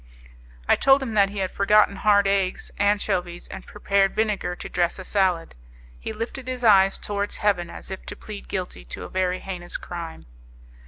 I told him that he had forgotten hard eggs, anchovies, and prepared vinegar to dress a salad. He lifted his eyes towards heaven, as if to plead guilty, to a very heinous crime.